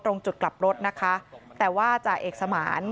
ตรงจุดกลับรถนะคะแต่ว่าจ่าเอกสมาน